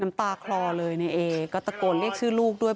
น้ำตาคลอเลยในเอก็ตะโกนเรียกชื่อลูกด้วย